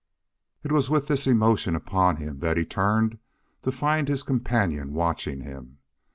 It was with this emotion upon him that he turned to find his companion watching him.